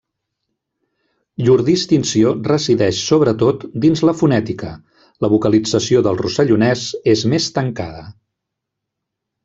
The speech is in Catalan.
Llur distinció resideix sobretot dins la fonètica, la vocalització del rossellonès és més tancada.